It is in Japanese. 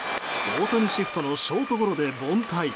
大谷シフトのショートゴロで凡退。